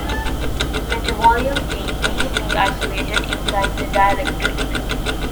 Let a volume d"V" be isolated inside the dielectric.